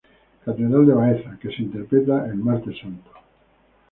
Catedral de Baeza, que se interpreta el Martes Santo.